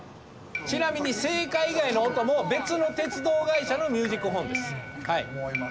ちなみに正解以外の音も別の鉄道会社のミュージックホーンです。